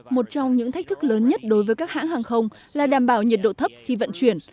một trong những thách thức lớn nhất đối với các hãng hàng không là đảm bảo nhiệt độ thấp khi vận chuyển